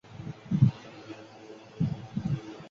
তার পিতা শ্রীশচন্দ্র ভট্টাচার্য এবং মাতা বিনোদিনী দেবী।